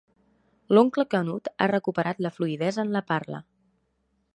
L'oncle Canut ha recuperat la fluïdesa en la parla.